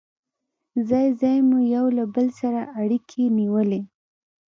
ځای ځای مو یو له بل سره اړيکې نیولې.